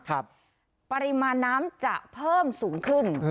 ปริมาณน้ำจะเพิ่มสูงขึ้น